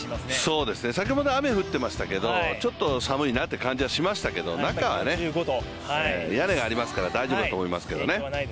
そうですね、先ほどまで雨降ってましたけどちょっと寒いなって感じしましたけど中は屋根がありますから大丈夫だと思いますけどね。